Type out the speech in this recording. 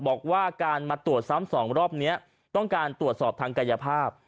บอกว่าการมาตรวจซ้ำสองรอบนี้ต้องการตรวจสอบทางกายภาพ